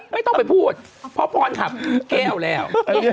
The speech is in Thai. ไม่ต้องไปพูดเพราะพรขับแก้วแล้ว